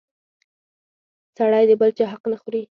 سړی د بل چا حق نه خوري!